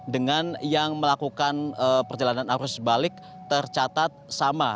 dengan yang melakukan perjalanan arus balik tercatat sama